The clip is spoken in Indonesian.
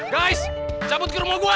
guys cabut ke rumah gue